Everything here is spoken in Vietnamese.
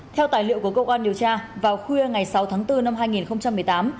theo tài liệu của cơ quan điều tra vào khuya ngày sáu tháng bốn năm hai nghìn một mươi tám